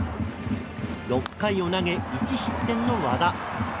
６回を投げ、１失点の和田。